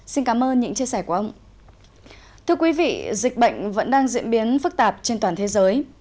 xin cảm ơn những chia sẻ của ông